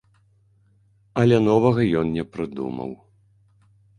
Але новага ён не прыдумаў.